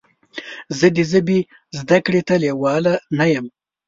زه د ژبې زده کړې ته لیواله نه یم.